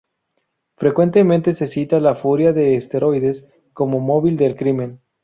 Frecuentemente se cita la "furia de esteroides" como móvil del crimen.